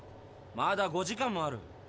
まだ５時間もある。